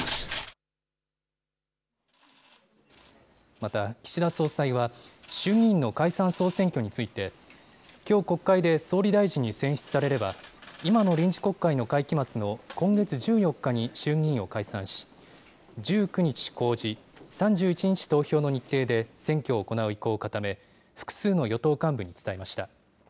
また岸田総裁は衆議院の解散・総選挙について、きょう国会で総理大臣に選出されれば、今の臨時国会の会期末の今月１４日に衆議院を解散し、１９日公示、３１日投票の日程で選挙を行う意向を固め、複数の与党幹部に伝えました。